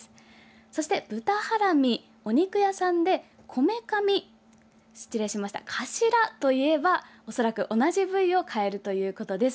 そして豚ハラミはお肉屋さんで頭と言えば恐らく同じ部位を買えるということです。